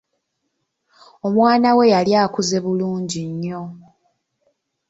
Omwana we yali akuze bulungi nnyo.